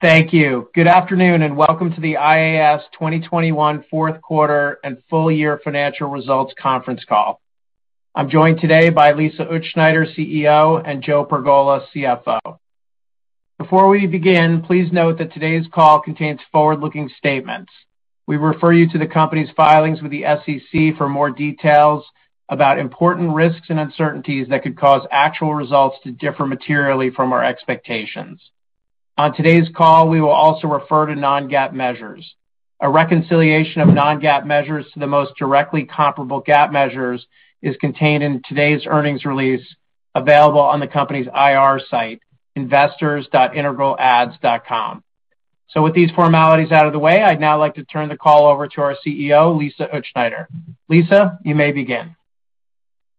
Thank you. Good afternoon, and welcome to the IAS 2021 fourth quarter and full year financial results conference call. I'm joined today by Lisa Utzschneider, CEO, and Joe Pergola, CFO. Before we begin, please note that today's call contains forward-looking statements. We refer you to the company's filings with the SEC for more details about important risks and uncertainties that could cause actual results to differ materially from our expectations. On today's call, we will also refer to non-GAAP measures. A reconciliation of non-GAAP measures to the most directly comparable GAAP measures is contained in today's earnings release, available on the company's IR site, investors.integralads.com. With these formalities out of the way, I'd now like to turn the call over to our CEO, Lisa Utzschneider. Lisa, you may begin.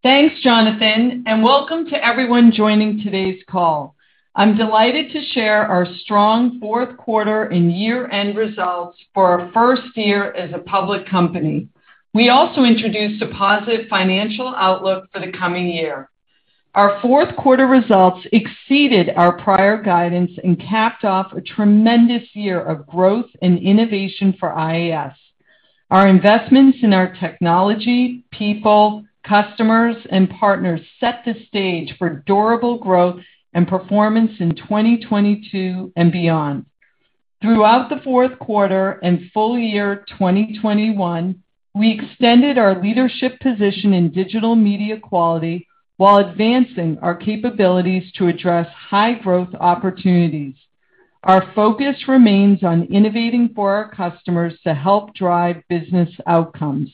Thanks, Jonathan, and welcome to everyone joining today's call. I'm delighted to share our strong fourth quarter and year-end results for our first year as a public company. We also introduced a positive financial outlook for the coming year. Our fourth quarter results exceeded our prior guidance and capped off a tremendous year of growth and innovation for IAS. Our investments in our technology, people, customers, and partners set the stage for durable growth and performance in 2022 and beyond. Throughout the fourth quarter and full year 2021, we extended our leadership position in digital media quality while advancing our capabilities to address high-growth opportunities. Our focus remains on innovating for our customers to help drive business outcomes.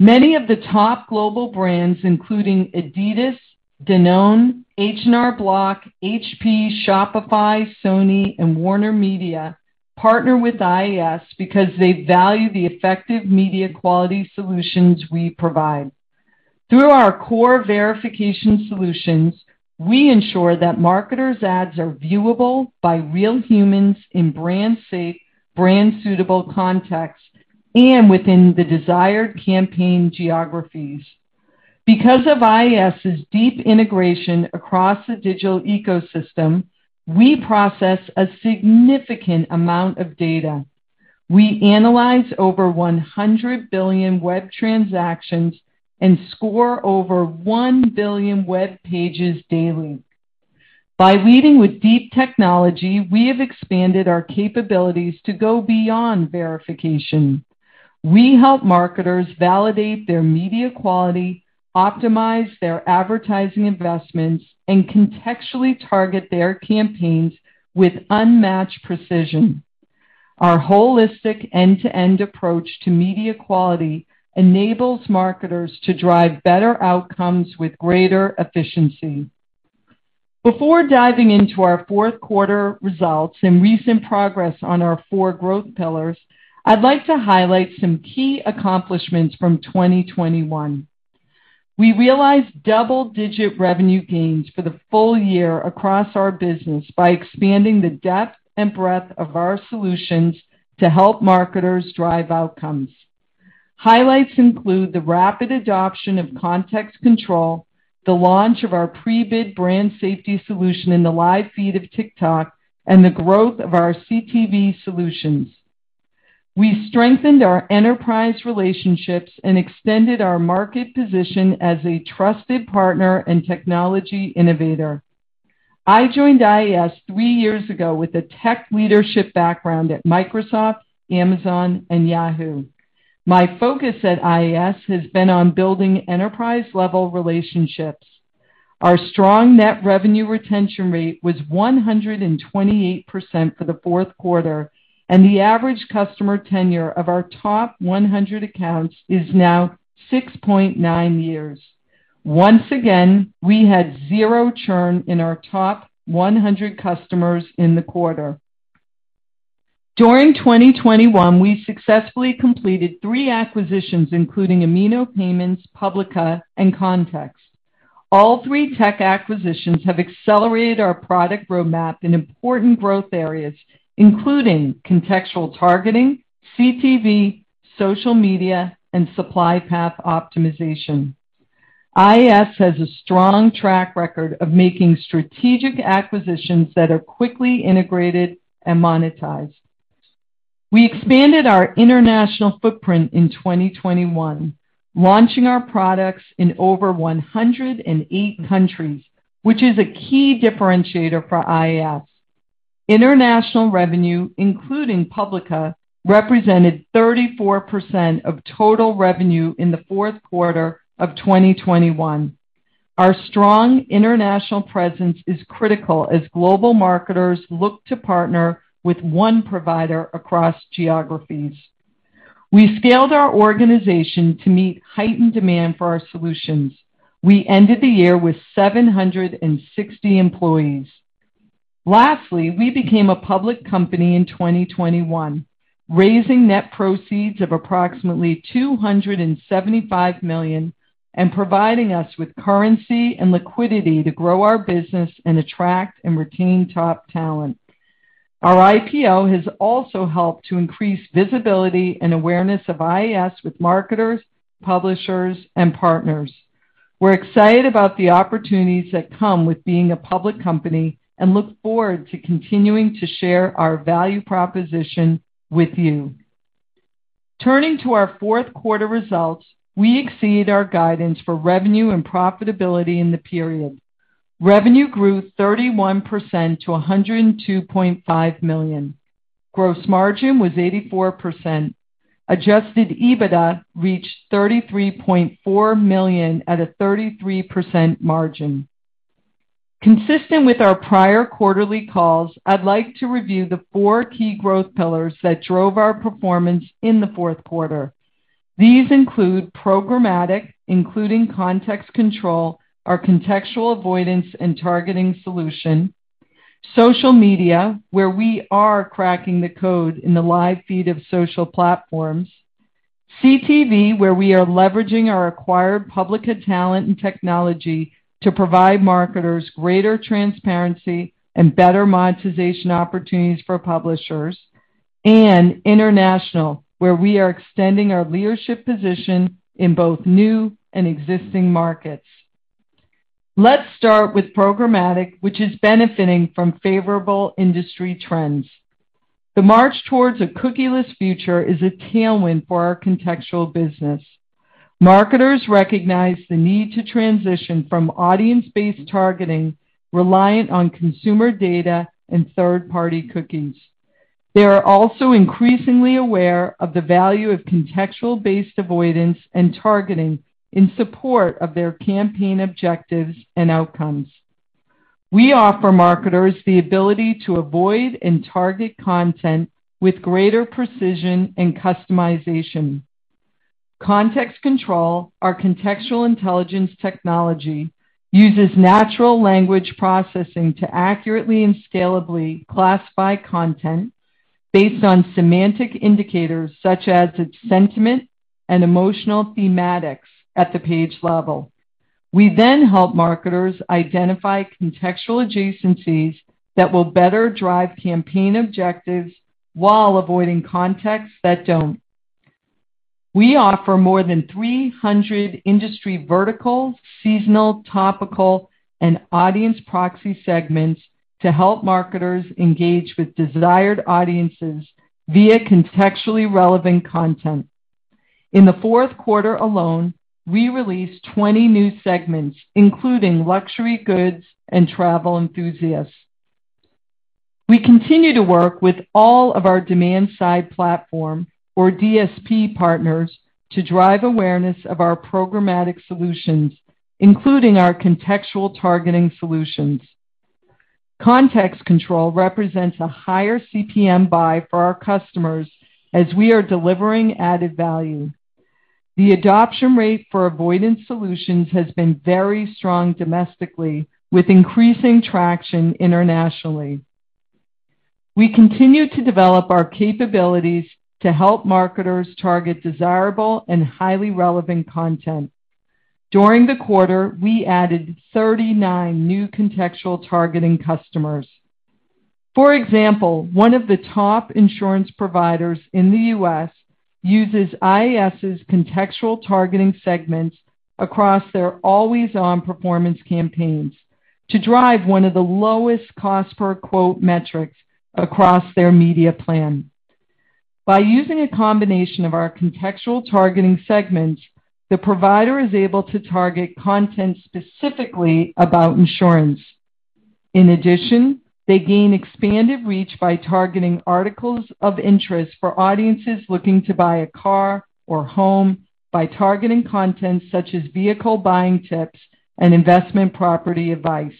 Many of the top global brands, including Adidas, Danone, H&R Block, HP, Shopify, Sony, and WarnerMedia, partner with IAS because they value the effective media quality solutions we provide. Through our core verification solutions, we ensure that marketers' ads are viewable by real humans in brand-safe, brand-suitable context and within the desired campaign geographies. Because of IAS's deep integration across the digital ecosystem, we process a significant amount of data. We analyze over 100 billion web transactions and score over 1 billion web pages daily. By leading with deep technology, we have expanded our capabilities to go beyond verification. We help marketers validate their media quality, optimize their advertising investments, and contextually target their campaigns with unmatched precision. Our holistic end-to-end approach to media quality enables marketers to drive better outcomes with greater efficiency. Before diving into our fourth quarter results and recent progress on our four growth pillars, I'd like to highlight some key accomplishments from 2021. We realized double-digit revenue gains for the full year across our business by expanding the depth and breadth of our solutions to help marketers drive outcomes. Highlights include the rapid adoption of Context Control, the launch of our pre-bid brand safety solution in the live feed of TikTok, and the growth of our CTV solutions. We strengthened our enterprise relationships and extended our market position as a trusted partner and technology innovator. I joined IAS three years ago with a tech leadership background at Microsoft, Amazon, and Yahoo. My focus at IAS has been on building enterprise-level relationships. Our strong net revenue retention rate was 128% for the fourth quarter, and the average customer tenure of our top 100 accounts is now 6.9 years. Once again, we had zero churn in our top 100 customers in the quarter. During 2021, we successfully completed three acquisitions, including Amino Payments, Publica, and Context. All three tech acquisitions have accelerated our product roadmap in important growth areas, including contextual targeting, CTV, social media, and supply path optimization. IAS has a strong track record of making strategic acquisitions that are quickly integrated and monetized. We expanded our international footprint in 2021, launching our products in over 108 countries, which is a key differentiator for IAS. International revenue, including Publica, represented 34% of total revenue in the fourth quarter of 2021. Our strong international presence is critical as global marketers look to partner with one provider across geographies. We scaled our organization to meet heightened demand for our solutions. We ended the year with 760 employees. Lastly, we became a public company in 2021, raising net proceeds of approximately $275 million and providing us with currency and liquidity to grow our business and attract and retain top talent. Our IPO has also helped to increase visibility and awareness of IAS with marketers, publishers, and partners. We're excited about the opportunities that come with being a public company and look forward to continuing to share our value proposition with you. Turning to our fourth quarter results, we exceed our guidance for revenue and profitability in the period. Revenue grew 31% to $102.5 million. Gross margin was 84%. Adjusted EBITDA reached $33.4 million at a 33% margin. Consistent with our prior quarterly calls, I'd like to review the four key growth pillars that drove our performance in the fourth quarter. These include programmatic, including Context Control, our contextual avoidance and targeting solution, social media, where we are cracking the code in the live feed of social platforms, CTV, where we are leveraging our acquired Publica talent and technology to provide marketers greater transparency and better monetization opportunities for publishers, and international, where we are extending our leadership position in both new and existing markets. Let's start with programmatic, which is benefiting from favorable industry trends. The march towards a cookieless future is a tailwind for our contextual business. Marketers recognize the need to transition from audience-based targeting reliant on consumer data and third-party cookies. They are also increasingly aware of the value of contextual-based avoidance and targeting in support of their campaign objectives and outcomes. We offer marketers the ability to avoid and target content with greater precision and customization. Context Control, our contextual intelligence technology, uses natural language processing to accurately and scalably classify content based on semantic indicators such as its sentiment and emotional thematics at the page level. We then help marketers identify contextual adjacencies that will better drive campaign objectives while avoiding contexts that don't. We offer more than 300 industry verticals, seasonal, topical, and audience proxy segments to help marketers engage with desired audiences via contextually relevant content. In the fourth quarter alone, we released 20 new segments, including luxury goods and travel enthusiasts. We continue to work with all of our demand side platform, or DSP partners to drive awareness of our programmatic solutions, including our contextual targeting solutions. Context Control represents a higher CPM buy for our customers as we are delivering added value. The adoption rate for avoidance solutions has been very strong domestically, with increasing traction internationally. We continue to develop our capabilities to help marketers target desirable and highly relevant content. During the quarter, we added 39 new contextual targeting customers. For example, one of the top insurance providers in the U.S. uses IAS's contextual targeting segments across their always-on performance campaigns to drive one of the lowest cost per quote metrics across their media plan. By using a combination of our contextual targeting segments, the provider is able to target content specifically about insurance. In addition, they gain expanded reach by targeting articles of interest for audiences looking to buy a car or home by targeting content such as vehicle buying tips and investment property advice.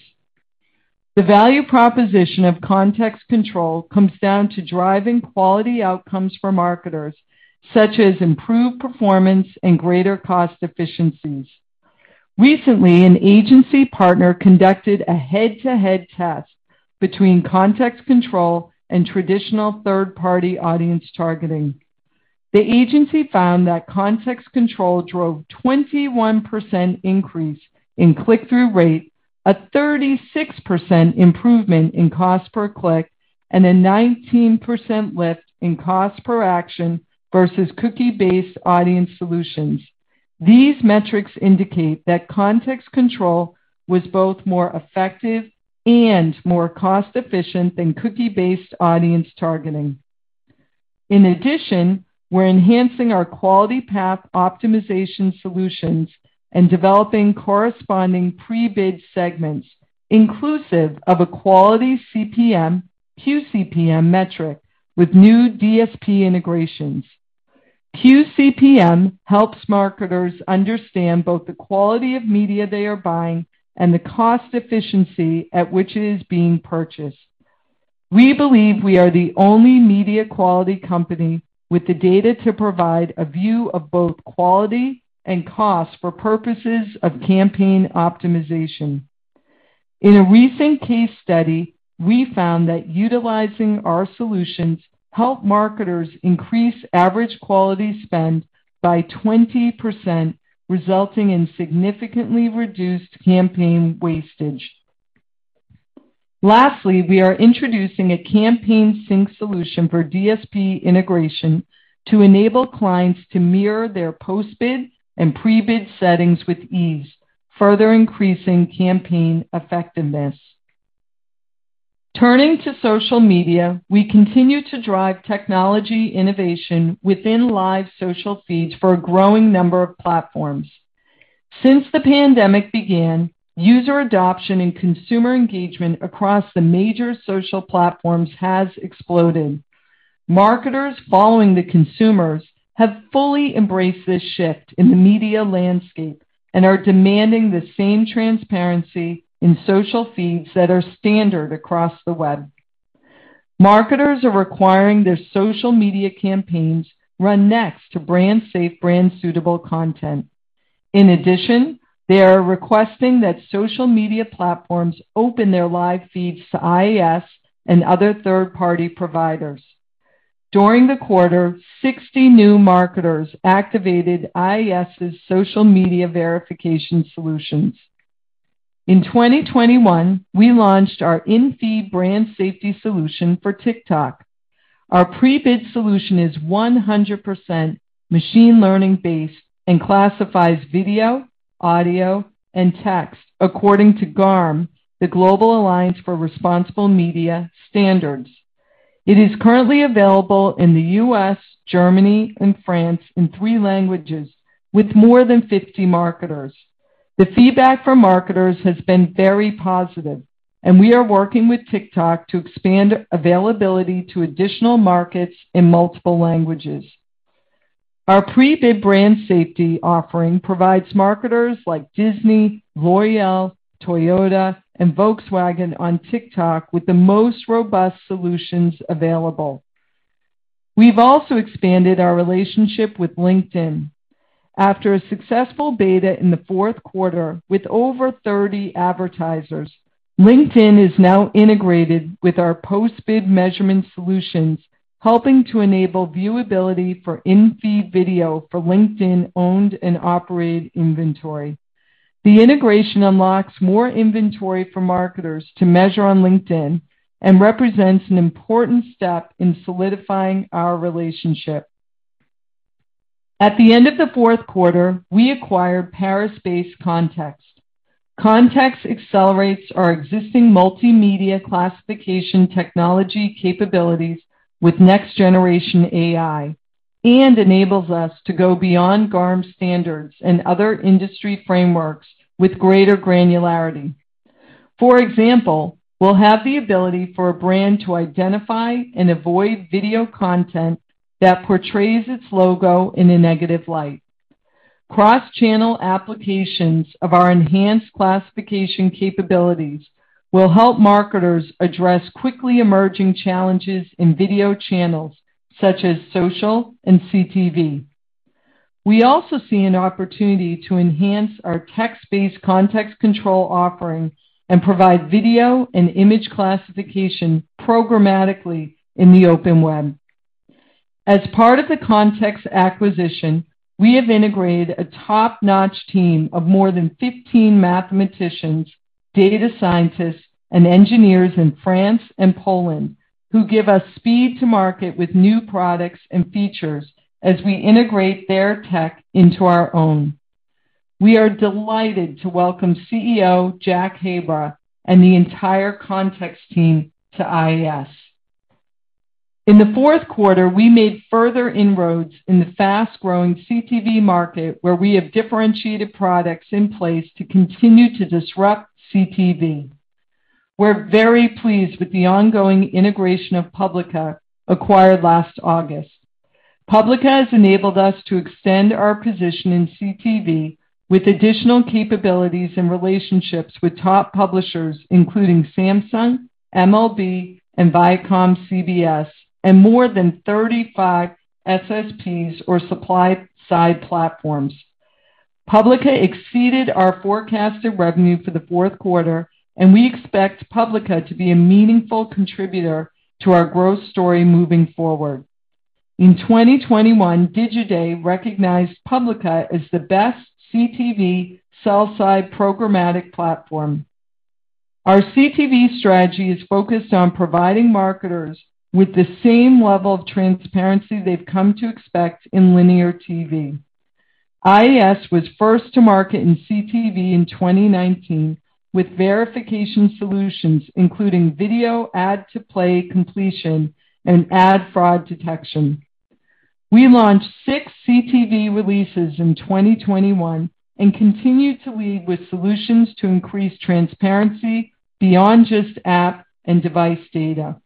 The value proposition of Context Control comes down to driving quality outcomes for marketers, such as improved performance and greater cost efficiencies. Recently, an agency partner conducted a head-to-head test between Context Control and traditional third-party audience targeting. The agency found that Context Control drove 21% increase in click-through rate, a 36% improvement in cost per click, and a 19% lift in cost per action versus cookie-based audience solutions. These metrics indicate that Context Control was both more effective and more cost-efficient than cookie-based audience targeting. In addition, we're enhancing our Quality Path Optimization solutions and developing corresponding pre-bid segments inclusive of a quality CPM, QCPM metric with new DSP integrations. QCPM helps marketers understand both the quality of media they are buying and the cost efficiency at which it is being purchased. We believe we are the only media quality company with the data to provide a view of both quality and cost for purposes of campaign optimization. In a recent case study, we found that utilizing our solutions help marketers increase average quality spend by 20%, resulting in significantly reduced campaign wastage. Lastly, we are introducing a campaign sync solution for DSP integration to enable clients to mirror their post-bid and pre-bid settings with ease, further increasing campaign effectiveness. Turning to social media, we continue to drive technology innovation within live social feeds for a growing number of platforms. Since the pandemic began, user adoption and consumer engagement across the major social platforms has exploded. Marketers following the consumers have fully embraced this shift in the media landscape and are demanding the same transparency in social feeds that are standard across the web. Marketers are requiring their social media campaigns run next to brand safe, brand suitable content. In addition, they are requesting that social media platforms open their live feeds to IAS and other third-party providers. During the quarter, 60 new marketers activated IAS' social media verification solutions. In 2021, we launched our in-feed brand safety solution for TikTok. Our pre-bid solution is 100% machine learning based and classifies video, audio, and text according to GARM, the Global Alliance for Responsible Media standards. It is currently available in the U.S., Germany, and France in three languages with more than 50 marketers. The feedback from marketers has been very positive, and we are working with TikTok to expand availability to additional markets in multiple languages. Our pre-bid brand safety offering provides marketers like Disney, L'Oréal, Toyota, and Volkswagen on TikTok with the most robust solutions available. We've also expanded our relationship with LinkedIn. After a successful beta in the fourth quarter with over 30 advertisers, LinkedIn is now integrated with our post-bid measurement solutions, helping to enable viewability for in-feed video for LinkedIn owned and operated inventory. The integration unlocks more inventory for marketers to measure on LinkedIn and represents an important step in solidifying our relationship. At the end of the fourth quarter, we acquired Paris-based Context. Context accelerates our existing multimedia classification technology capabilities with next-generation AI and enables us to go beyond GARM standards and other industry frameworks with greater granularity. For example, we'll have the ability for a brand to identify and avoid video content that portrays its logo in a negative light. Cross-channel applications of our enhanced classification capabilities will help marketers address quickly emerging challenges in video channels such as social and CTV. We also see an opportunity to enhance our text-based Context Control offering and provide video and image classification programmatically in the open web. As part of the Context acquisition, we have integrated a top-notch team of more than 15 mathematicians, data scientists, and engineers in France and Poland who give us speed to market with new products and features as we integrate their tech into our own. We are delighted to welcome CEO Jack Habra and the entire Context team to IAS. In the fourth quarter, we made further inroads in the fast-growing CTV market where we have differentiated products in place to continue to disrupt CTV. We're very pleased with the ongoing integration of Publica, acquired last August. Publica has enabled us to extend our position in CTV with additional capabilities and relationships with top publishers, including Samsung, MLB, and ViacomCBS, and more than 35 SSPs or supply side platforms. Publica exceeded our forecasted revenue for the fourth quarter, and we expect Publica to be a meaningful contributor to our growth story moving forward. In 2021, Digiday recognized Publica as the best CTV sell-side programmatic platform. Our CTV strategy is focused on providing marketers with the same level of transparency they've come to expect in linear TV. IAS was first to market in CTV in 2019 with verification solutions, including video ad to play completion and ad fraud detection. We launched six CTV releases in 2021 and continue to lead with solutions to increase transparency beyond just app and device data.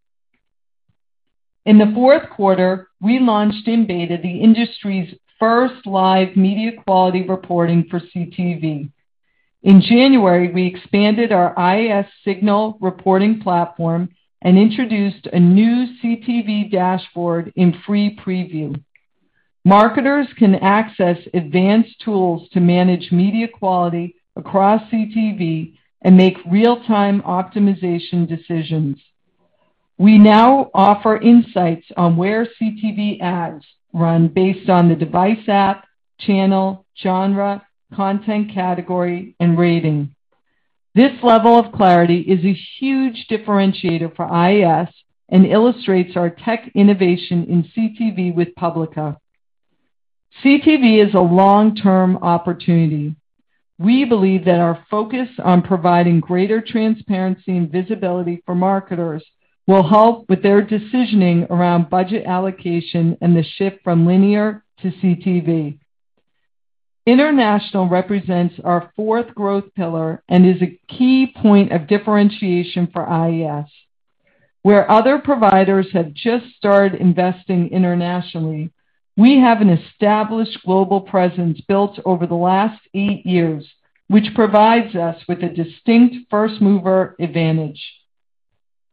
In the fourth quarter, we launched in beta the industry's first live media quality reporting for CTV. In January, we expanded our IAS Signal reporting platform and introduced a new CTV dashboard in free preview. Marketers can access advanced tools to manage media quality across CTV and make real-time optimization decisions. We now offer insights on where CTV ads run based on the device app, channel, genre, content category, and rating. This level of clarity is a huge differentiator for IAS and illustrates our tech innovation in CTV with Publica. CTV is a long-term opportunity. We believe that our focus on providing greater transparency and visibility for marketers will help with their decisioning around budget allocation and the shift from linear to CTV. International represents our fourth growth pillar and is a key point of differentiation for IAS. Where other providers have just started investing internationally, we have an established global presence built over the last eight years, which provides us with a distinct first-mover advantage.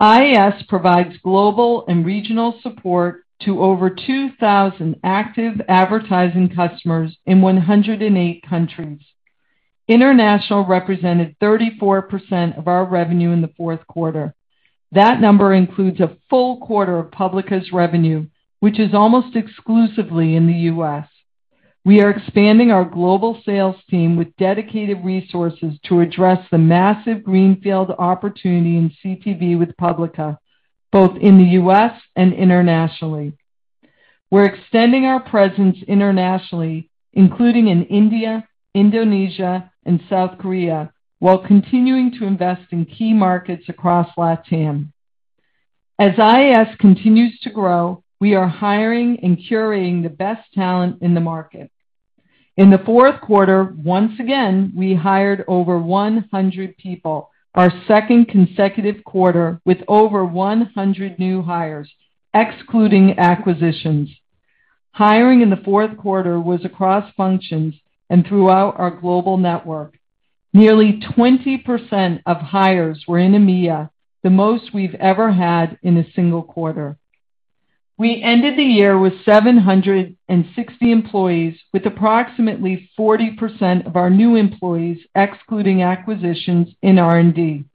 IAS provides global and regional support to over 2,000 active advertising customers in 108 countries. International represented 34% of our revenue in the fourth quarter. That number includes a full quarter of Publica's revenue, which is almost exclusively in the U.S. We are expanding our global sales team with dedicated resources to address the massive greenfield opportunity in CTV with Publica, both in the U.S. and internationally. We're extending our presence internationally, including in India, Indonesia, and South Korea, while continuing to invest in key markets across LatAm. As IAS continues to grow, we are hiring and curating the best talent in the market. In the fourth quarter, once again, we hired over 100 people, our second consecutive quarter with over 100 new hires, excluding acquisitions. Hiring in the fourth quarter was across functions and throughout our global network. Nearly 20% of hires were in EMEA, the most we've ever had in a single quarter. We ended the year with 760 employees with approximately 40% of our new employees, excluding acquisitions, in R&D.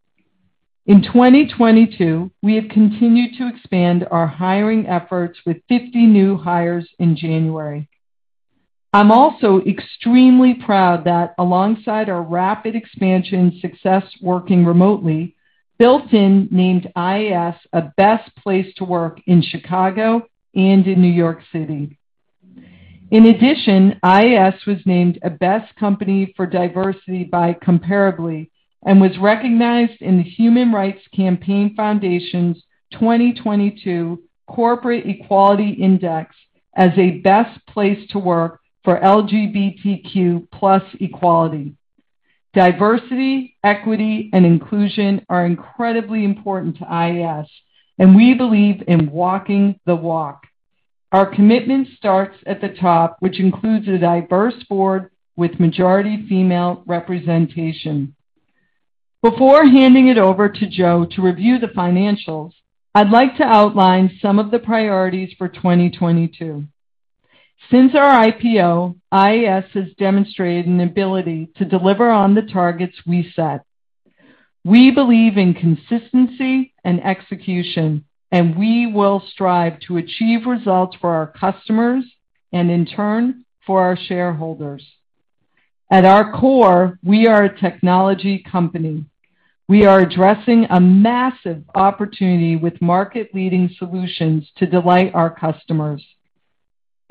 In 2022, we have continued to expand our hiring efforts with 50 new hires in January. I'm also extremely proud that alongside our rapid expansion success working remotely, Built In named IAS a Best Place to Work in Chicago and in New York City. In addition, IAS was named a Best Company for Diversity by Comparably and was recognized in the Human Rights Campaign Foundation's 2022 Corporate Equality Index as a Best Place to Work for LGBTQ+ equality. Diversity, equity, and inclusion are incredibly important to IAS, and we believe in walking the walk. Our commitment starts at the top, which includes a diverse board with majority female representation. Before handing it over to Joe to review the financials, I'd like to outline some of the priorities for 2022. Since our IPO, IAS has demonstrated an ability to deliver on the targets we set. We believe in consistency and execution, and we will strive to achieve results for our customers and, in turn, for our shareholders. At our core, we are a technology company. We are addressing a massive opportunity with market-leading solutions to delight our customers.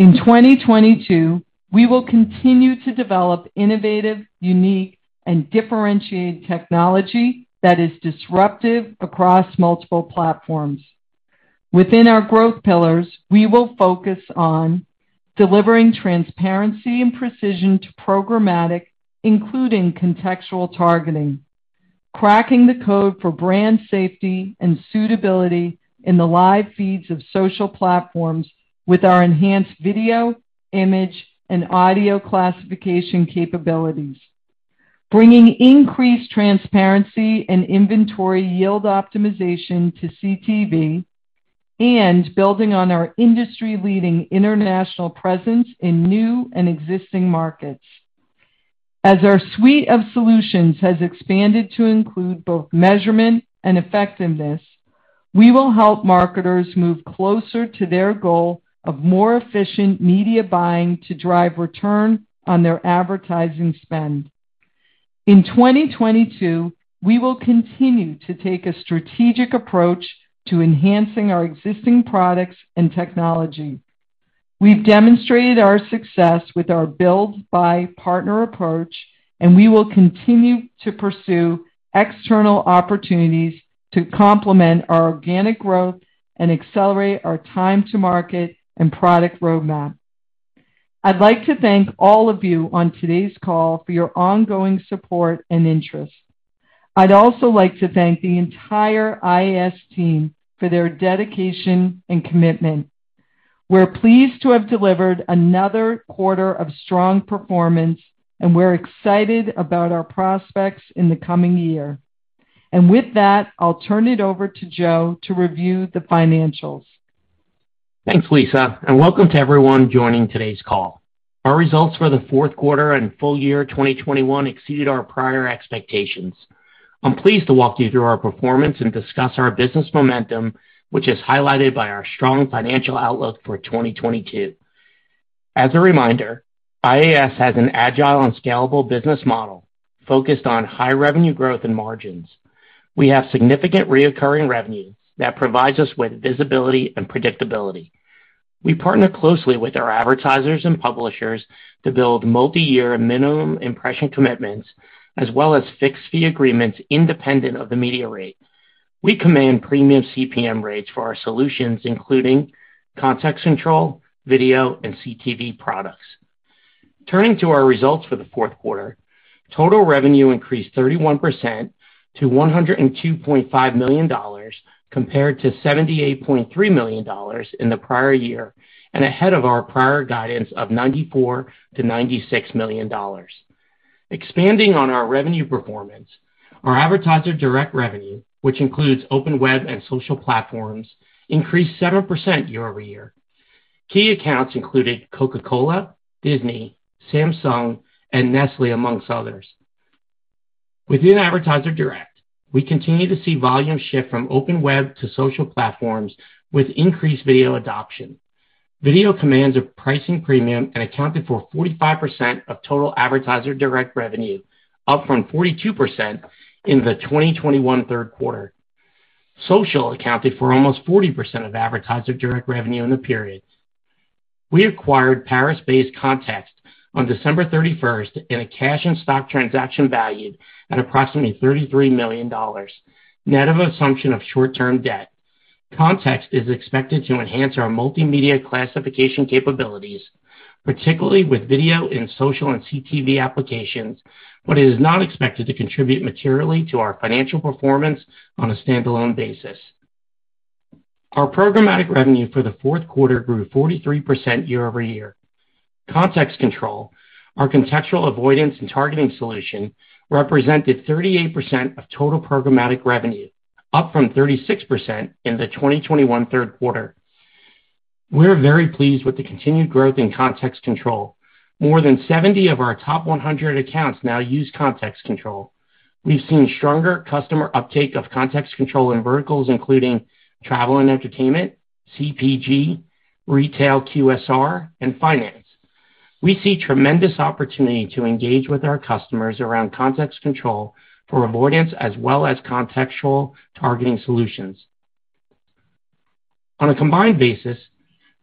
In 2022, we will continue to develop innovative, unique, and differentiated technology that is disruptive across multiple platforms. Within our growth pillars, we will focus on delivering transparency and precision to programmatic, including contextual targeting, cracking the code for brand safety and suitability in the live feeds of social platforms with our enhanced video, image, and audio classification capabilities, bringing increased transparency and inventory yield optimization to CTV, and building on our industry-leading international presence in new and existing markets. As our suite of solutions has expanded to include both measurement and effectiveness, we will help marketers move closer to their goal of more efficient media buying to drive return on their advertising spend. In 2022, we will continue to take a strategic approach to enhancing our existing products and technology. We've demonstrated our success with our build-buy partner approach, and we will continue to pursue external opportunities to complement our organic growth and accelerate our time to market and product roadmap. I'd like to thank all of you on today's call for your ongoing support and interest. I'd also like to thank the entire IAS team for their dedication and commitment. We're pleased to have delivered another quarter of strong performance, and we're excited about our prospects in the coming year. With that, I'll turn it over to Joe to review the financials. Thanks, Lisa, and welcome to everyone joining today's call. Our results for the fourth quarter and full year 2021 exceeded our prior expectations. I'm pleased to walk you through our performance and discuss our business momentum, which is highlighted by our strong financial outlook for 2022. As a reminder, IAS has an agile and scalable business model focused on high revenue growth and margins. We have significant recurring revenue that provides us with visibility and predictability. We partner closely with our advertisers and publishers to build multiyear minimum impression commitments as well as fixed fee agreements independent of the media rate. We command premium CPM rates for our solutions, including Context Control, video, and CTV products. Turning to our results for the fourth quarter, total revenue increased 31% to $102.5 million compared to $78.3 million in the prior year, and ahead of our prior guidance of $94 million-$96 million. Expanding on our revenue performance, our advertiser direct revenue, which includes open web and social platforms, increased 7% year-over-year. Key accounts included Coca-Cola, Disney, Samsung, and Nestlé, among others. Within Advertiser Direct, we continue to see volume shift from open web to social platforms with increased video adoption. Video commands a pricing premium and accounted for 45% of total Advertiser Direct revenue, up from 42% in the 2021 third quarter. Social accounted for almost 40% of Advertiser Direct revenue in the period. We acquired Paris-based Context on December 31st in a cash and stock transaction valued at approximately $33 million net of assumption of short-term debt. Context is expected to enhance our multimedia classification capabilities, particularly with video and social and CTV applications, but it is not expected to contribute materially to our financial performance on a standalone basis. Our programmatic revenue for the fourth quarter grew 43% year-over-year. Context Control, our contextual avoidance and targeting solution, represented 38% of total programmatic revenue, up from 36% in the 2021 third quarter. We're very pleased with the continued growth in Context Control. More than 70 of our top 100 accounts now use Context Control. We've seen stronger customer uptake of Context Control in verticals including travel and entertainment, CPG, retail, QSR, and finance. We see tremendous opportunity to engage with our customers around Context Control for avoidance as well as contextual targeting solutions. On a combined basis,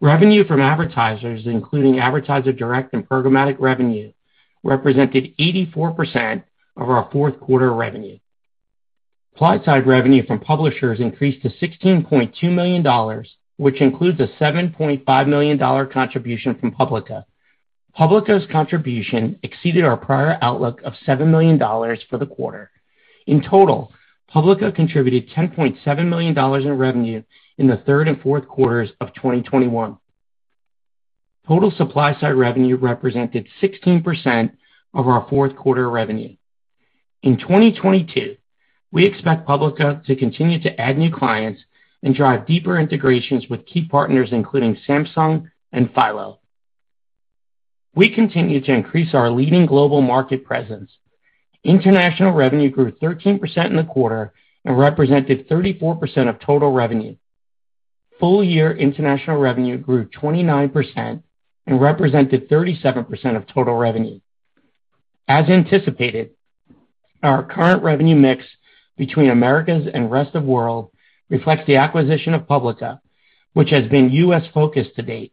revenue from advertisers, including Advertiser Data and programmatic revenue, represented 84% of our fourth quarter revenue. Supply-side revenue from publishers increased to $16.2 million, which includes a $7.5 million contribution from Publica. Publica's contribution exceeded our prior outlook of $7 million for the quarter. In total, Publica contributed $10.7 million in revenue in the third and fourth quarters of 2021. Total supply-side revenue represented 16% of our fourth quarter revenue. In 2022, we expect Publica to continue to add new clients and drive deeper integrations with key partners, including Samsung and Philo. We continue to increase our leading global market presence. International revenue grew 13% in the quarter and represented 34% of total revenue. Full year international revenue grew 29% and represented 37% of total revenue. As anticipated, our current revenue mix between Americas and rest of world reflects the acquisition of Publica, which has been U.S.-focused to date.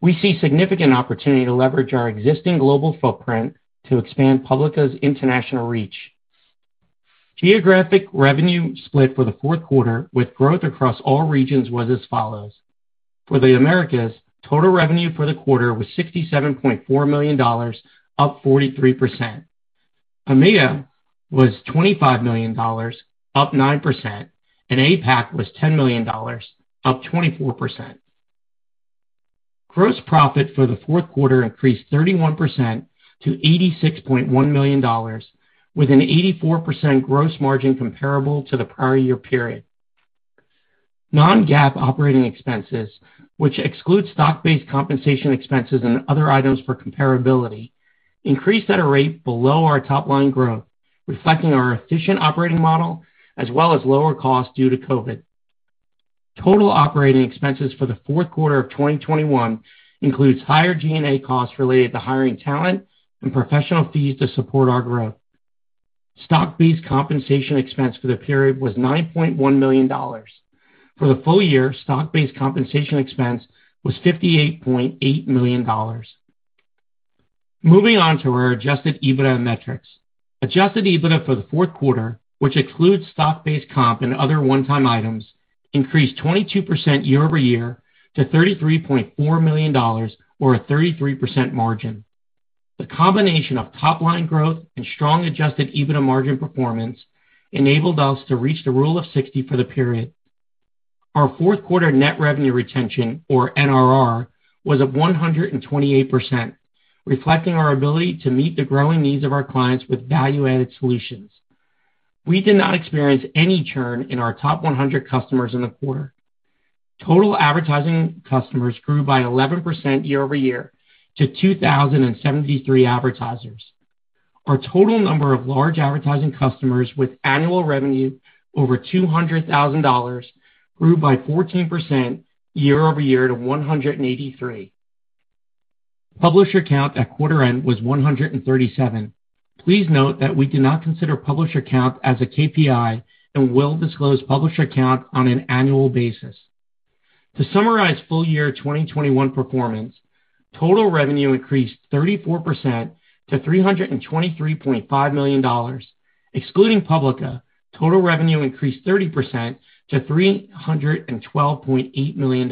We see significant opportunity to leverage our existing global footprint to expand Publica's international reach. Geographic revenue split for the fourth quarter with growth across all regions was as follows. For the Americas, total revenue for the quarter was $67.4 million, up 43%. EMEA was $25 million, up 9%, and APAC was $10 million, up 24%. Gross profit for the fourth quarter increased 31% to $86.1 million, with an 84% gross margin comparable to the prior year period. Non-GAAP operating expenses, which excludes stock-based compensation expenses and other items for comparability, increased at a rate below our top line growth, reflecting our efficient operating model as well as lower costs due to COVID. Total operating expenses for the fourth quarter of 2021 includes higher G&A costs related to hiring talent and professional fees to support our growth. Stock-based compensation expense for the period was $9.1 million. For the full year, stock-based compensation expense was $58.8 million. Moving on to our adjusted EBITDA metrics. Adjusted EBITDA for the fourth quarter, which excludes stock-based comp and other one-time items, increased 22% year-over-year to $33.4 million or a 33% margin. The combination of top line growth and strong adjusted EBITDA margin performance enabled us to reach the rule of 60 for the period. Our fourth quarter net revenue retention, or NRR, was at 128%, reflecting our ability to meet the growing needs of our clients with value-added solutions. We did not experience any churn in our top 100 customers in the quarter. Total advertising customers grew by 11% year-over-year to 2,073 advertisers. Our total number of large advertising customers with annual revenue over $200,000 grew by 14% year-over-year to 183. Publisher count at quarter end was 137. Please note that we do not consider publisher count as a KPI and will disclose publisher count on an annual basis. To summarize full year 2021 performance, total revenue increased 34% to $323.5 million. Excluding Publica, total revenue increased 30% to $312.8 million.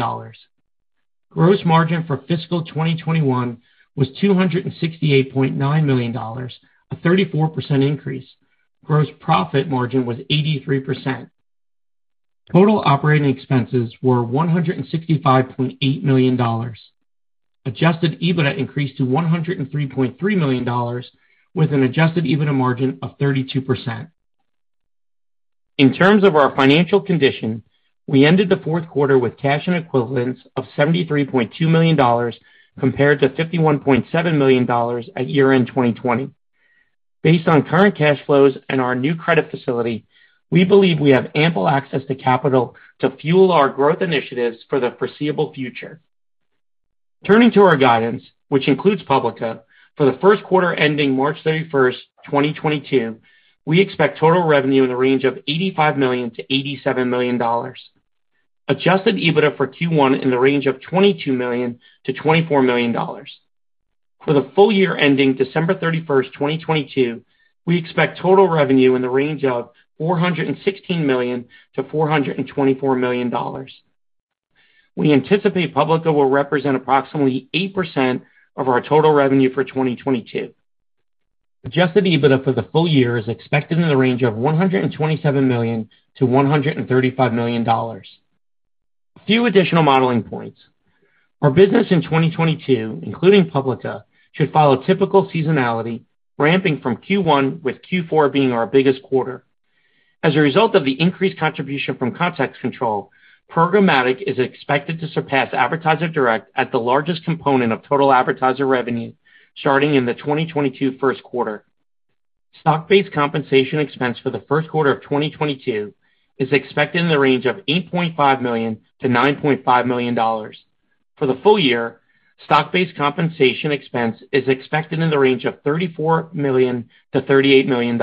Gross margin for fiscal 2021 was $268.9 million, a 34% increase. Gross profit margin was 83%. Total operating expenses were $165.8 million. Adjusted EBITDA increased to $103.3 million with an Adjusted EBITDA margin of 32%. In terms of our financial condition, we ended the fourth quarter with cash and equivalents of $73.2 million compared to $51.7 million at year-end 2020. Based on current cash flows and our new credit facility, we believe we have ample access to capital to fuel our growth initiatives for the foreseeable future. Turning to our guidance, which includes Publica, for the first quarter ending March 31st, 2022, we expect total revenue in the range of $85 million-$87 million. Adjusted EBITDA for Q1 in the range of $22 million-$24 million. For the full year ending December 31st, 2022, we expect total revenue in the range of $416 million-$424 million. We anticipate Publica will represent approximately 8% of our total revenue for 2022. Adjusted EBITDA for the full year is expected in the range of $127 million-$135 million. A few additional modeling points. Our business in 2022, including Publica, should follow typical seasonality, ramping from Q1 with Q4 being our biggest quarter. As a result of the increased contribution from Context Control, programmatic is expected to surpass advertiser direct at the largest component of total advertiser revenue starting in the 2022 first quarter. Stock-based compensation expense for the first quarter of 2022 is expected in the range of $8.5 million-$9.5 million. For the full year, stock-based compensation expense is expected in the range of $34 million-$38 million.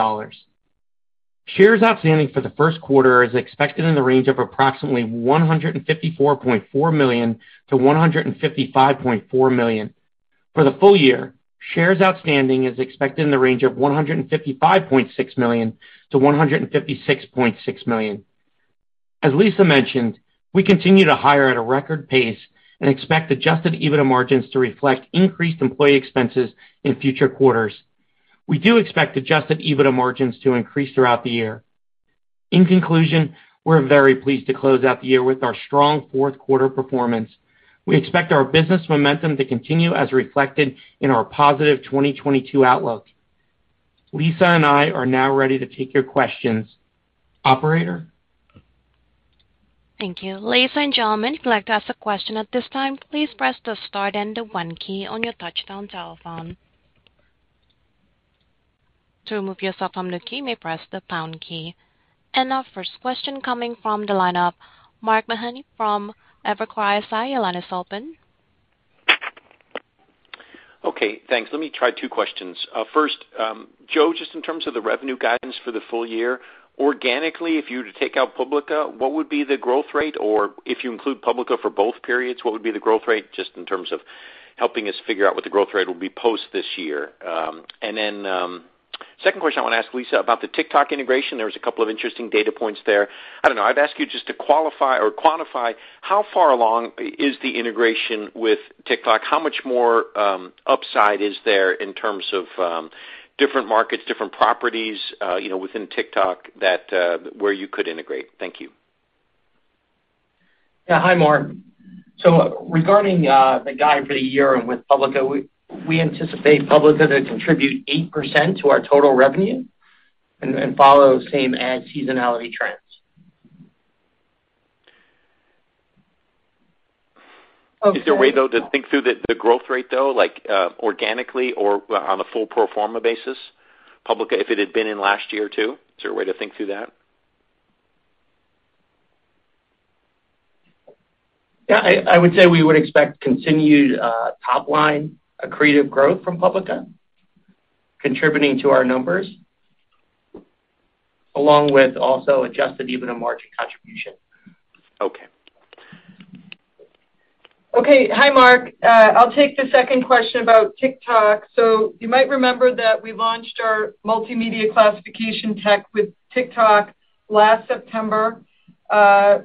Shares outstanding for the first quarter is expected in the range of approximately 154.4 million-155.4 million. For the full year, shares outstanding is expected in the range of 155.6 million-156.6 million. As Lisa mentioned, we continue to hire at a record pace and expect adjusted EBITDA margins to reflect increased employee expenses in future quarters. We do expect adjusted EBITDA margins to increase throughout the year. In conclusion, we're very pleased to close out the year with our strong fourth quarter performance. We expect our business momentum to continue as reflected in our positive 2022 outlook. Lisa and I are now ready to take your questions. Operator? Our first question coming from the line of Mark Mahaney from Evercore ISI. Your line is open. Okay, thanks. Let me try two questions. First, Joe, just in terms of the revenue guidance for the full year, organically, if you were to take out Publica, what would be the growth rate? Or if you include Publica for both periods, what would be the growth rate just in terms of helping us figure out what the growth rate will be post this year? Second question I want to ask Lisa about the TikTok integration. There was a couple of interesting data points there. I don't know. I'd ask you just to qualify or quantify how far along is the integration with TikTok? How much more upside is there in terms of different markets, different properties within TikTok that, where you could integrate? Thank you. Yeah. Hi, Mark. Regarding the guidance for the year with Publica, we anticipate Publica to contribute 8% to our total revenue and follow same ad seasonality trends. Is there a way, though, to think through the growth rate, though, like, organically or on a full pro forma basis? Publica, if it had been in last year, too, is there a way to think through that? Yeah. I would say we would expect continued top line accretive growth from Publica contributing to our numbers, along with also adjusted EBITDA margin contribution. Okay. Hi, Mark. I'll take the second question about TikTok. You might remember that we launched our multimedia classification tech with TikTok last September.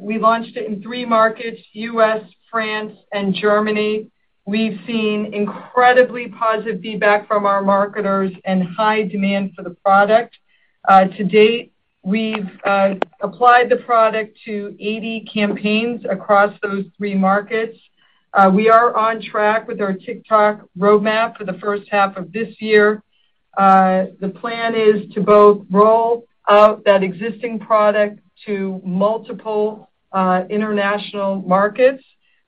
We launched it in three markets, U.S., France, and Germany. We've seen incredibly positive feedback from our marketers and high demand for the product. To date, we've applied the product to 80 campaigns across those three markets. We are on track with our TikTok roadmap for the first half of this year. The plan is to both roll out that existing product to multiple international markets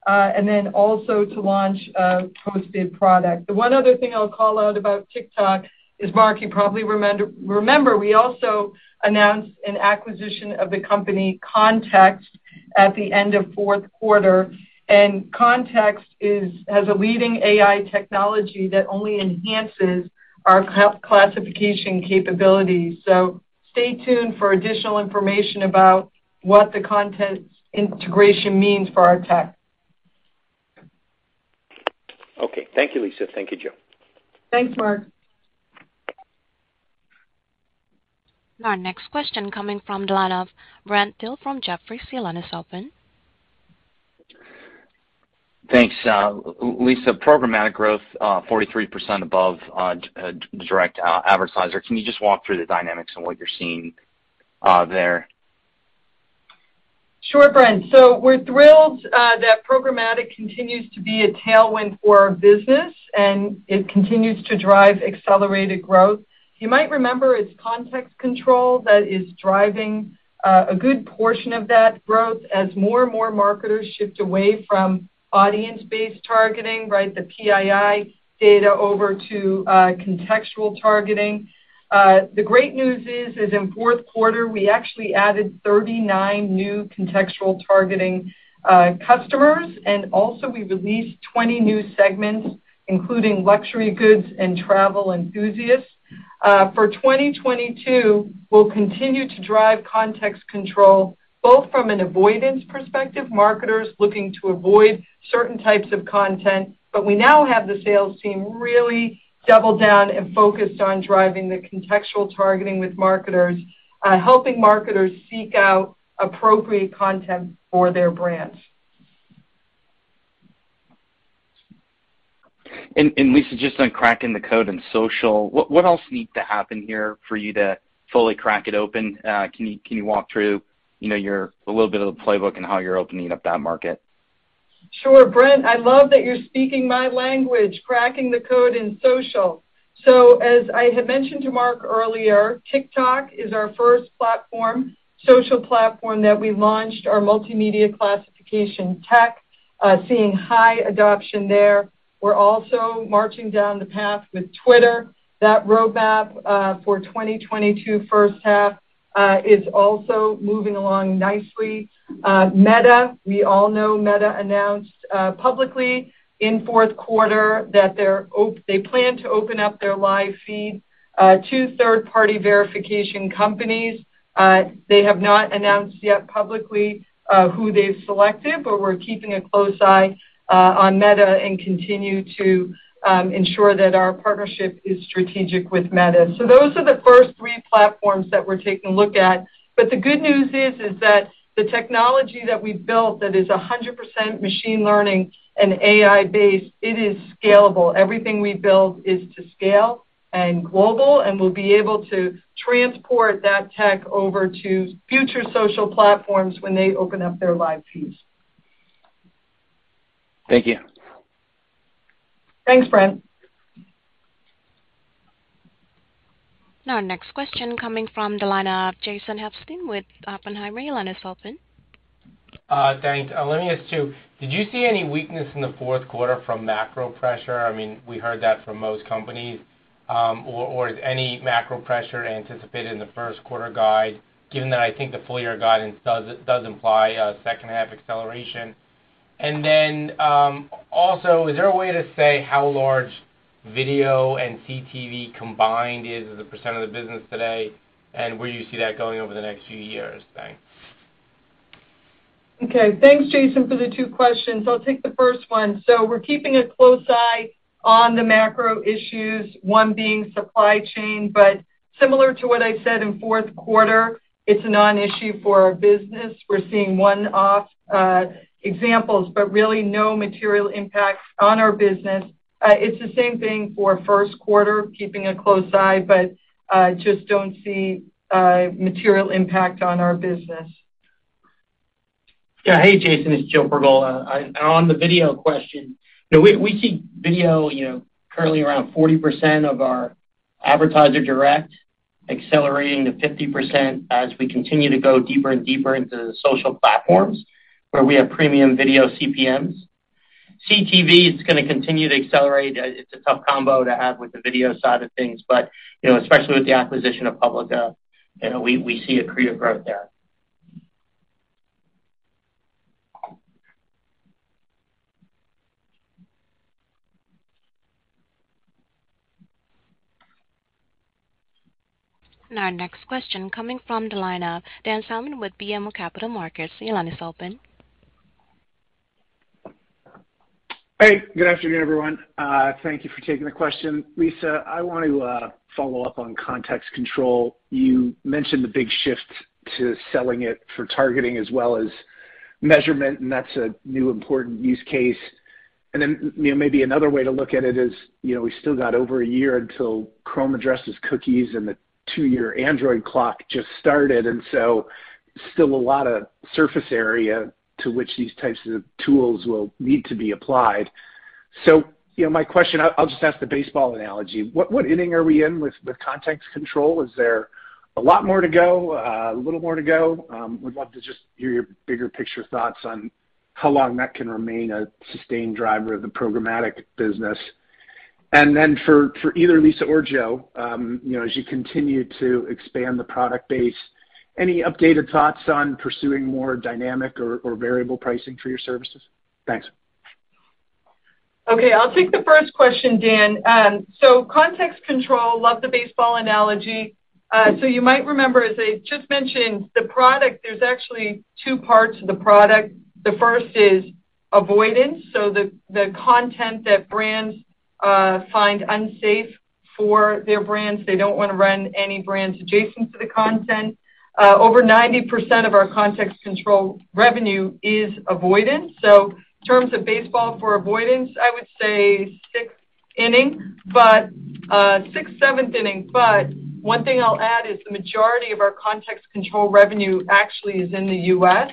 and then also to launch a post-bid product. The one other thing I'll call out about TikTok is, Mark, you probably remember, we also announced an acquisition of the company Context at the end of fourth quarter. Context has a leading AI technology that only enhances our classification capabilities. Stay tuned for additional information about what the content integration means for our tech. Okay. Thank you, Lisa. Thank you, Joe. Thanks, Mark. Our next question coming from the line of Brent Thill from Jefferies. Your line is open. Thanks. Lisa, programmatic growth 43% above direct advertiser. Can you just walk through the dynamics and what you're seeing there? Sure, Brent. We're thrilled that programmatic continues to be a tailwind for our business, and it continues to drive accelerated growth. You might remember it's Context Control that is driving a good portion of that growth as more and more marketers shift away from audience-based targeting, right, the PII data over to contextual targeting. The great news is in fourth quarter, we actually added 39 new contextual targeting customers, and also we released 20 new segments, including luxury goods and travel enthusiasts. For 2022, we'll continue to drive Context Control, both from an avoidance perspective, marketers looking to avoid certain types of content, but we now have the sales team really double down and focused on driving the contextual targeting with marketers, helping marketers seek out appropriate content for their brands. Lisa, just on cracking the code in social, what else needs to happen here for you to fully crack it open? Can you walk through, you know, a little bit of the playbook and how you're opening up that market? Sure. Brent, I love that you're speaking my language, cracking the code in social. As I had mentioned to Mark earlier, TikTok is our first platform, social platform that we launched our multimedia classification tech, seeing high adoption there. We're also marching down the path with Twitter. That roadmap for 2022 first half is also moving along nicely. Meta, we all know Meta announced publicly in fourth quarter that they plan to open up their live feed to third-party verification companies. They have not announced yet publicly who they've selected, but we're keeping a close eye on Meta and continue to ensure that our partnership is strategic with Meta. Those are the first three platforms that we're taking a look at. The good news is that the technology that we've built that is 100% machine learning and AI-based, it is scalable. Everything we build is to scale and global, and we'll be able to transport that tech over to future social platforms when they open up their live feeds. Thank you. Thanks, Brent. Our next question coming from the line of Jason Helfstein with Oppenheimer. Your line is open. Thanks. Let me ask two. Did you see any weakness in the fourth quarter from macro pressure? I mean, we heard that from most companies. Or is any macro pressure anticipated in the first quarter guide, given that I think the full year guidance does imply a second half acceleration? Also, is there a way to say how large video and CTV combined is as a percent of the business today, and where you see that going over the next few years? Thanks. Okay. Thanks, Jason, for the two questions. I'll take the first one. We're keeping a close eye on the macro issues, one being supply chain. Similar to what I said in fourth quarter, it's a non-issue for our business. We're seeing one-off examples, but really no material impact on our business. It's the same thing for first quarter, keeping a close eye, but just don't see a material impact on our business. Yeah. Hey, Jason, it's Joe Pergola. On the video question, you know, we see video, you know, currently around 40% of our advertiser direct accelerating to 50% as we continue to go deeper and deeper into the social platforms where we have premium video CPMs. CTV is gonna continue to accelerate. It's a tough combo to have with the video side of things, but, you know, especially with the acquisition of Publica, you know, we see accretive growth there. Our next question coming from the line of Dan Salmon with BMO Capital Markets. Your line is open. Hey, good afternoon, everyone. Thank you for taking the question. Lisa, I want to follow up on Context Control. You mentioned the big shift to selling it for targeting as well as measurement, and that's a new important use case. You know, maybe another way to look at it is, you know, we still got over a year until Chrome addresses cookies and the two-year Android clock just started, and still a lot of surface area to which these types of tools will need to be applied. You know, my question, I'll just ask the baseball analogy. What inning are we in with Context Control? Is there a lot more to go? A little more to go? We'd love to just hear your bigger picture thoughts on how long that can remain a sustained driver of the programmatic business. And then for either Lisa or Joe, you know, as you continue to expand the product base, any updated thoughts on pursuing more dynamic or variable pricing for your services? Thanks. Okay, I'll take the first question, Dan. Context Control, love the baseball analogy. You might remember, as I just mentioned, the product, there's actually two parts to the product. The first is avoidance, the content that brands find unsafe for their brands, they don't wanna run any brands adjacent to the content. Over 90% of our Context Control revenue is avoidance. In terms of baseball for avoidance, I would say sixth inning, but sixth, seventh inning. One thing I'll add is the majority of our Context Control revenue actually is in the U.S.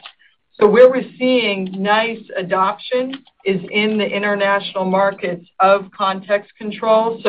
Where we're seeing nice adoption is in the international markets of Context Control.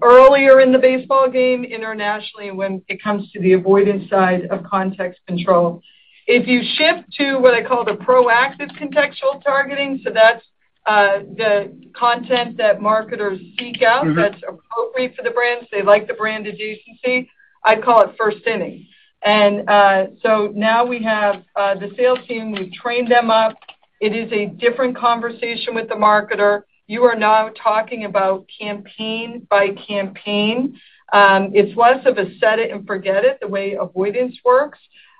Earlier in the baseball game internationally when it comes to the avoidance side of Context Control. If you shift to what I call the proactive contextual targeting, so that's the content that marketers seek out. Mm-hmm That's appropriate for the brands. They like the brand adjacency. I'd call it first inning. Now we have the sales team. We've trained them up. It is a different conversation with the marketer. You are now talking about campaign by campaign. It's less of a set it and forget it the way avoidance works.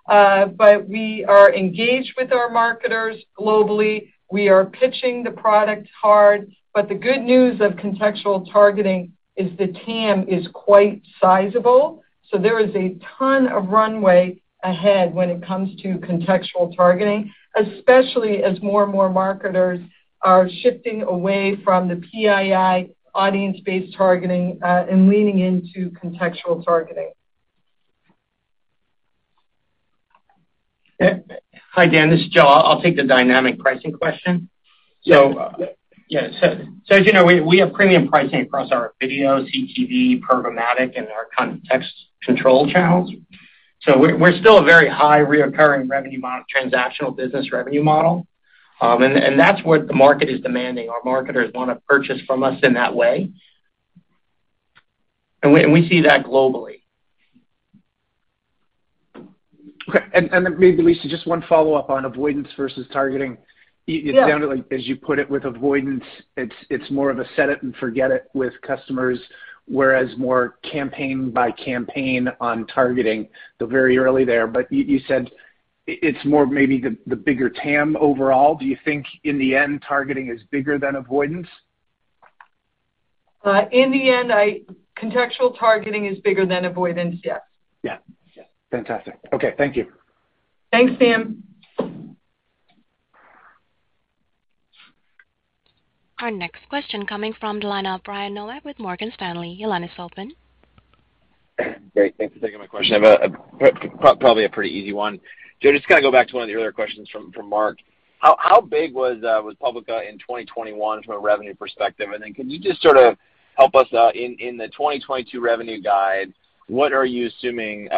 We are engaged with our marketers globally. We are pitching the product hard. The good news of contextual targeting is the TAM is quite sizable, so there is a ton of runway ahead when it comes to contextual targeting, especially as more and more marketers are shifting away from the PII audience-based targeting and leaning into contextual targeting. Okay. Hi, Dan, this is Joe. I'll take the dynamic pricing question. Yeah. As you know, we have premium pricing across our video, CTV, programmatic and our Context Control channels. We're still a very high recurring revenue transactional business revenue model. That's what the market is demanding. Our marketers wanna purchase from us in that way. We see that globally. Okay. Maybe, Lisa, just one follow-up on avoidance versus targeting. Yeah. It sounded like as you put it with avoidance, it's more of a set it and forget it with customers, whereas more campaign by campaign on targeting. Very early there. You said it's more maybe the bigger TAM overall. Do you think in the end targeting is bigger than avoidance? In the end, contextual targeting is bigger than avoidance, yes. Yeah. Fantastic. Okay, thank you. Thanks, Dan. Our next question coming from the line of Brian Nowak with Morgan Stanley. Your line is open. Great. Thanks for taking my question. I've probably a pretty easy one. Joe, just kinda go back to one of the earlier questions from Mark. How big was Publica in 2021 from a revenue perspective? And then can you just sort of help us out in the 2022 revenue guide, what are you assuming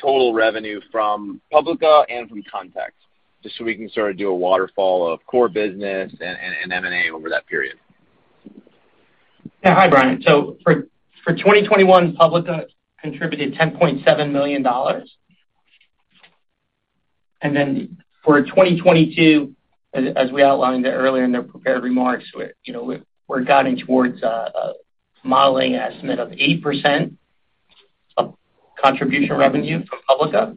total revenue from Publica and from Context, just so we can sort of do a waterfall of core business and M&A over that period? Yeah. Hi, Brian. So for 2021, Publica contributed $10.7 million. For 2022, as we outlined earlier in the prepared remarks, we're, you know, guiding towards a modeling estimate of 8% of contribution revenue from Publica.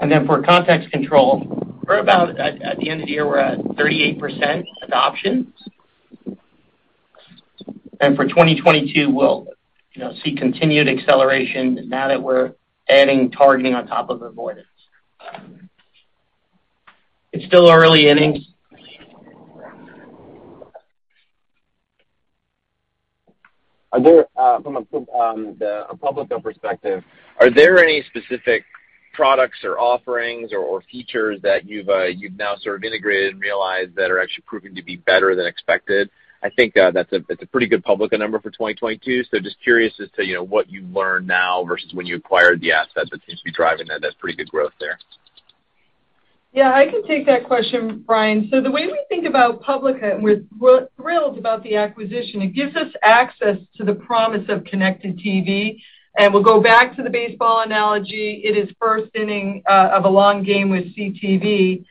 For Context Control, we're about at the end of the year at 38% adoption. For 2022, we'll, you know, see continued acceleration now that we're adding targeting on top of avoidance. It's still early innings. Are there from a Publica perspective any specific products or offerings or features that you've now sort of integrated and realized that are actually proving to be better than expected? I think that's a pretty good Publica number for 2022, so just curious as to, you know, what you've learned now versus when you acquired the asset that seems to be driving that. That's pretty good growth there. Yeah, I can take that question, Brian. The way we think about Publica, and we're thrilled about the acquisition, it gives us access to the promise of connected TV. We'll go back to the baseball analogy. It is first inning of a long game with CTV.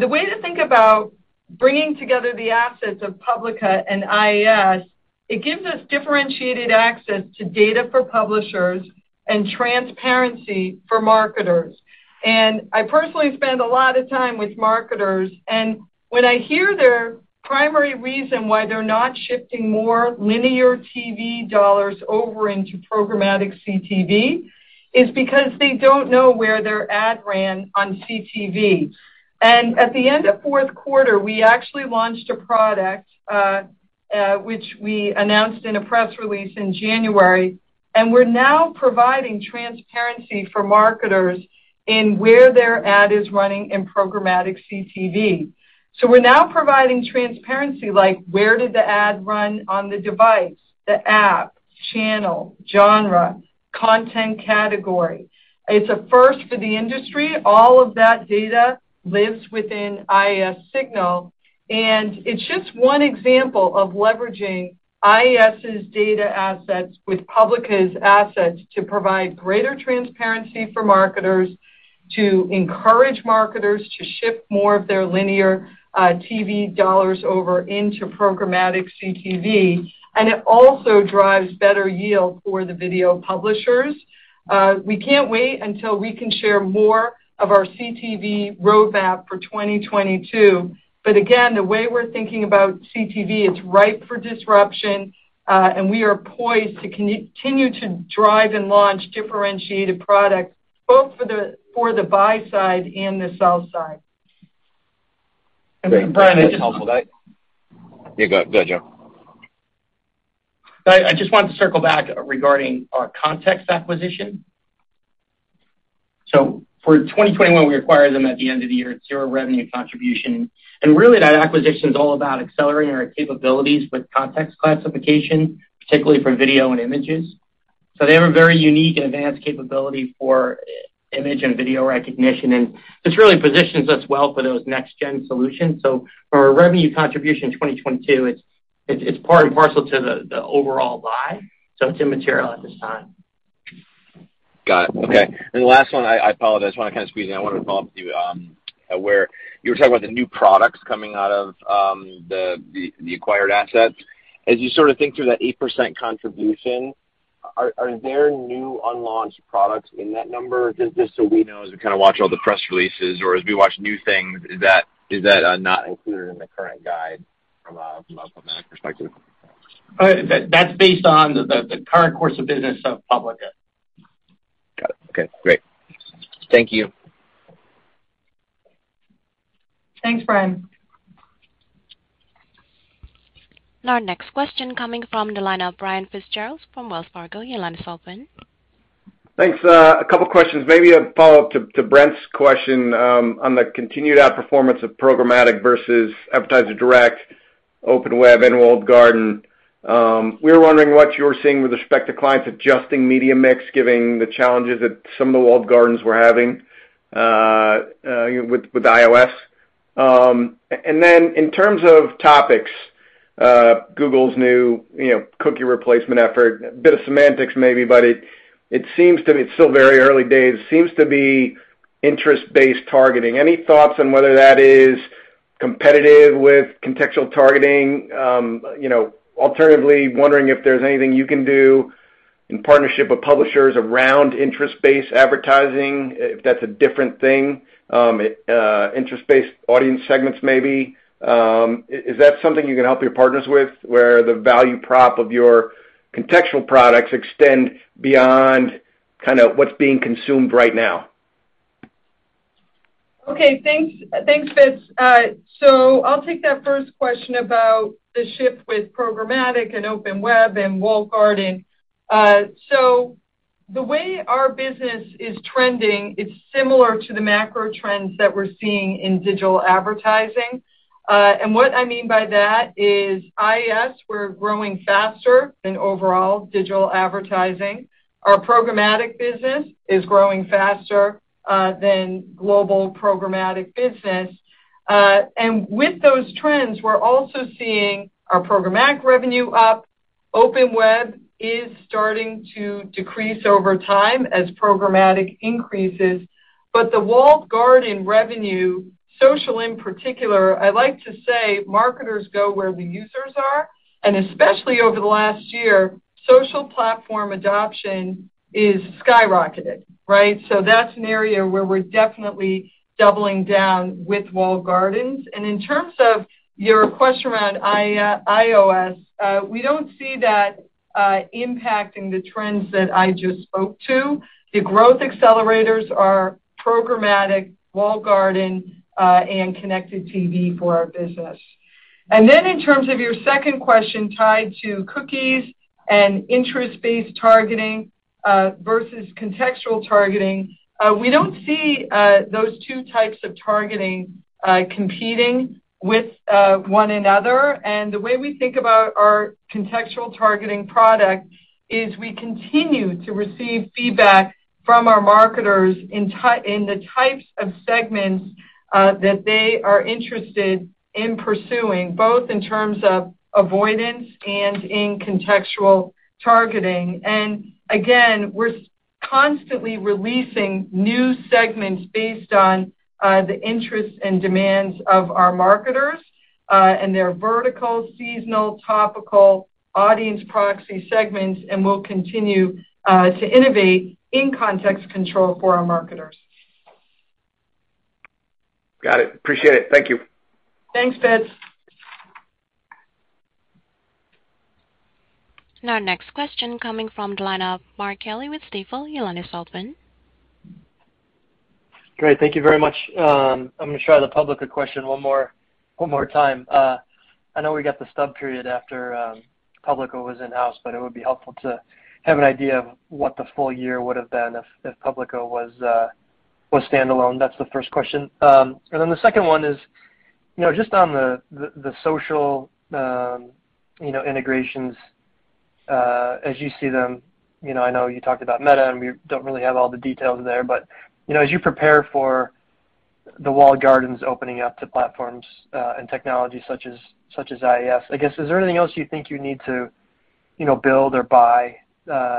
The way to think about bringing together the assets of Publica and IAS, it gives us differentiated access to data for publishers and transparency for marketers. I personally spend a lot of time with marketers, and when I hear their primary reason why they're not shifting more linear TV dollars over into programmatic CTV is because they don't know where their ad ran on CTV. At the end of fourth quarter, we actually launched a product, which we announced in a press release in January, and we're now providing transparency for marketers in where their ad is running in programmatic CTV. We're now providing transparency like where did the ad run on the device, the app, channel, genre, content category. It's a first for the industry. All of that data lives within IAS Signal, and it's just one example of leveraging IAS' data assets with Publica assets to provide greater transparency for marketers, to encourage marketers to shift more of their linear TV dollars over into programmatic CTV. It also drives better yield for the video publishers. We can't wait until we can share more of our CTV roadmap for 2022. Again, the way we're thinking about CTV, it's ripe for disruption, and we are poised to continue to drive and launch differentiated products both for the buy side and the sell side. That's helpful. Yeah, go, Joe. I just wanted to circle back regarding our Context acquisition. For 2021, we acquired them at the end of the year, zero revenue contribution. Really that acquisition is all about accelerating our capabilities with context classification, particularly for video and images. They have a very unique and advanced capability for image and video recognition, and this really positions us well for those next gen solutions. For our revenue contribution in 2022, it's part and parcel to the overall buy, so it's immaterial at this time. Got it. Okay. The last one, I apologize, I just wanna kinda squeeze in. I wanna follow up with you, where you were talking about the new products coming out of the acquired assets. As you sort of think through that 8% contribution, are there new unlaunched products in that number? Just so we know as we kind of watch all the press releases or as we watch new things, is that not included in the current guide from a programmatic perspective? That's based on the current course of business of Publica. Got it. Okay, great. Thank you. Thanks, Brian. Our next question coming from the line of Brian Fitzgerald from Wells Fargo. Your line is open. Thanks. A couple of questions. Maybe a follow-up to Brent's question on the continued outperformance of programmatic versus advertiser direct, open web and walled garden. We were wondering what you're seeing with respect to clients adjusting media mix given the challenges that some of the walled gardens were having with iOS. And then in terms of topics, Google's new, you know, cookie replacement effort, a bit of semantics maybe, but it seems to me, it's still very early days. Seems to be interest-based targeting. Any thoughts on whether that is competitive with contextual targeting? You know, alternatively, wondering if there's anything you can do in partnership with publishers around interest-based advertising, if that's a different thing. Interest-based audience segments maybe. Is that something you can help your partners with, where the value prop of your contextual products extend beyond kinda what's being consumed right now? Okay, thanks. Thanks, Fitz. I'll take that first question about the shift with programmatic and open web and walled garden. The way our business is trending, it's similar to the macro trends that we're seeing in digital advertising. What I mean by that is IAS, we're growing faster than overall digital advertising. Our programmatic business is growing faster than global programmatic business. With those trends, we're also seeing our programmatic revenue up. Open web is starting to decrease over time as programmatic increases. The walled garden revenue, social in particular, I like to say marketers go where the users are, and especially over the last year, social platform adoption is skyrocketed, right? That's an area where we're definitely doubling down with walled gardens. In terms of your question around iOS, we don't see that impacting the trends that I just spoke to. The growth accelerators are programmatic, walled garden, and connected TV for our business. In terms of your second question tied to cookies and interest-based targeting versus contextual targeting, we don't see those two types of targeting competing with one another. The way we think about our contextual targeting product is we continue to receive feedback from our marketers in the types of segments that they are interested in pursuing, both in terms of avoidance and in contextual targeting and again, we're constantly releasing new segments based on the interests and demands of our marketers and their vertical, seasonal, topical audience proxy segments, and we'll continue to innovate in Context Control for our marketers. Got it. Appreciate it. Thank you. Thanks, Fitz. Now next question coming from the line of Mark Kelley with Stifel. Your line is open. Great. Thank you very much. I'm gonna try the Publica question one more time. I know we got the stub period after Publica was in-house, but it would be helpful to have an idea of what the full year would have been if Publica was standalone. That's the first question. And then the second one is, you know, just on the social, you know, integrations, as you see them, you know, I know you talked about Meta, and we don't really have all the details there. You know, as you prepare for the walled gardens opening up to platforms, and technologies such as IAS, I guess, is there anything else you think you need to, you know, build or buy,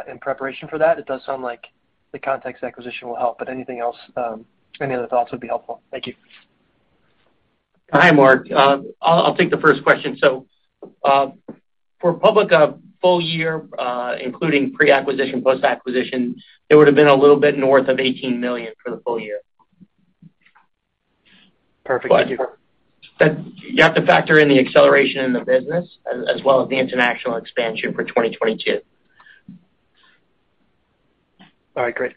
in preparation for that? It does sound like the Context acquisition will help, but anything else, any other thoughts would be helpful. Thank you. Hi, Mark. I'll take the first question. For Publica full year, including pre-acquisition, post-acquisition, it would have been a little bit north of $18 million for the full year. Perfect. Thank you. You have to factor in the acceleration in the business as well as the international expansion for 2022. All right, great.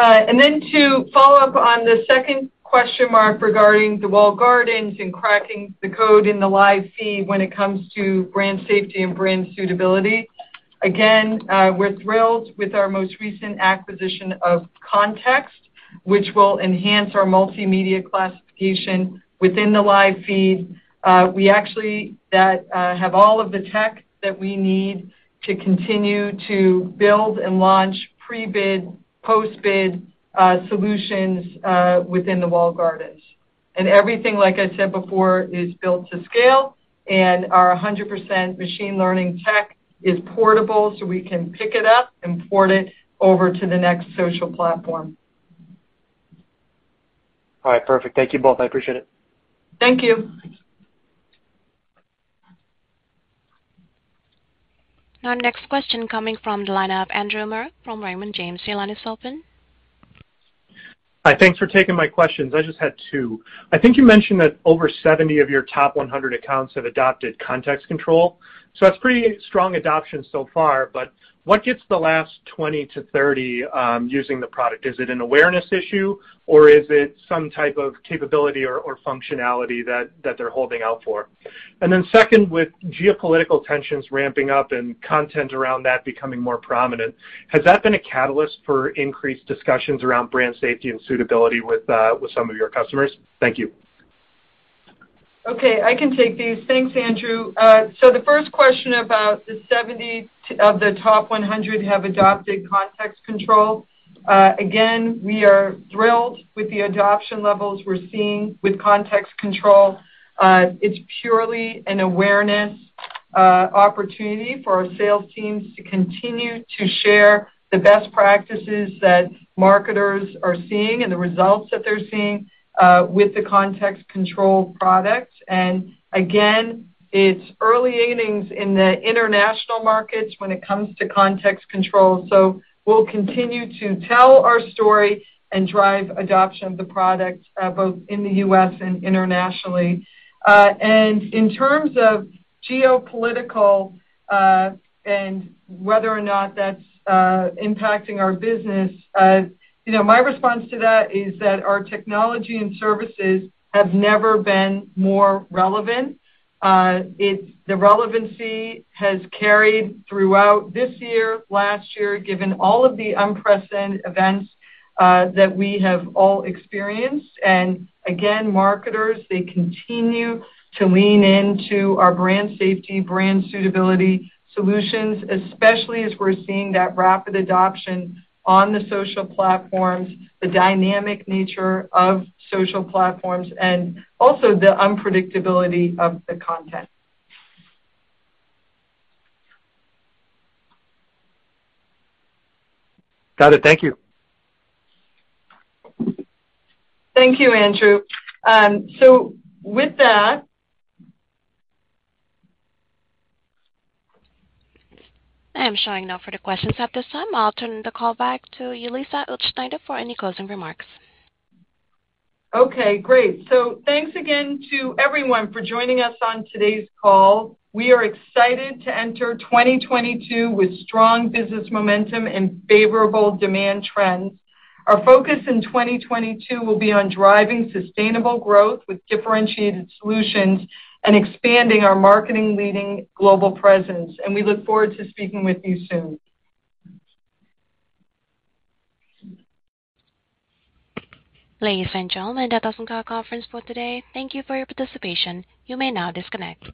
To follow up on the second question, Mark, regarding the walled gardens and cracking the code in the live feed when it comes to brand safety and brand suitability. Again, we're thrilled with our most recent acquisition of Context, which will enhance our multimedia classification within the live feed. We actually have all of the tech that we need to continue to build and launch pre-bid, post-bid solutions within the walled gardens. Everything, like I said before, is built to scale, and our 100% machine learning tech is portable, so we can pick it up and port it over to the next social platform. All right, perfect. Thank you both. I appreciate it. Thank you. Our next question coming from the line of Andrew Marok from Raymond James. Your line is open. Hi. Thanks for taking my questions. I just had two. I think you mentioned that over 70 of your top 100 accounts have adopted Context Control. That's pretty strong adoption so far, but what gets the last 20-30 using the product? Is it an awareness issue, or is it some type of capability or functionality that they're holding out for? Second, with geopolitical tensions ramping up and content around that becoming more prominent, has that been a catalyst for increased discussions around brand safety and suitability with some of your customers? Thank you. Okay, I can take these. Thanks, Andrew. The first question about the 70% of the top 100 have adopted Context Control. Again, we are thrilled with the adoption levels we're seeing with Context Control. It's purely an awareness opportunity for our sales teams to continue to share the best practices that marketers are seeing and the results that they're seeing with the Context Control product. Again, it's early innings in the international markets when it comes to Context Control, so we'll continue to tell our story and drive adoption of the product both in the U.S. and internationally. In terms of geopolitical and whether or not that's impacting our business, you know, my response to that is that our technology and services have never been more relevant. The relevancy has carried throughout this year, last year, given all of the unprecedented events that we have all experienced. Again, marketers, they continue to lean into our brand safety, brand suitability solutions, especially as we're seeing that rapid adoption on the social platforms, the dynamic nature of social platforms, and also the unpredictability of the content. Got it. Thank you. Thank you, Andrew. So with that. I am showing no further questions at this time. I'll turn the call back to Lisa Utzschneider for any closing remarks. Okay, great. Thanks again to everyone for joining us on today's call. We are excited to enter 2022 with strong business momentum and favorable demand trends. Our focus in 2022 will be on driving sustainable growth with differentiated solutions and expanding our market-leading global presence, and we look forward to speaking with you soon. Ladies and gentlemen, that does end our conference for today. Thank you for your participation. You may now disconnect.